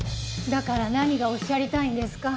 だから何がおっしゃりたいんですか？